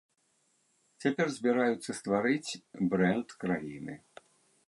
Цяпер збіраюцца стварыць брэнд краіны.